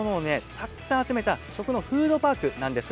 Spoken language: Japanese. たくさん集めた食のフードパークなんです。